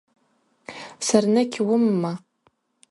Сарныкь уымма?